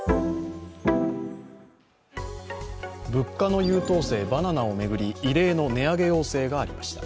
物価の優等生バナナを巡り異例の値上げ要請がありました。